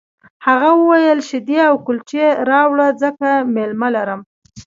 هغه وویل شیدې او کلچې راوړه ځکه مېلمه لرم